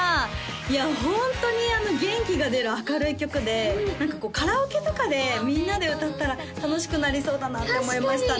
いやホントに元気が出る明るい曲で何かカラオケとかでみんなで歌ったら楽しくなりそうだなって思いましたね